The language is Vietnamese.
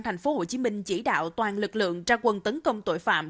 thành phố hồ chí minh chỉ đạo toàn lực lượng ra quân tấn công tội phạm